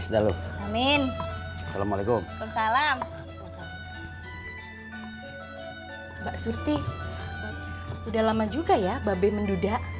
surti udah lama juga ya mbak be menduda